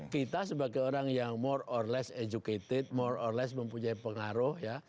kita sebagai orang yang more or less educated more or less mempunyai pengaruh ya